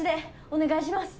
お願いします。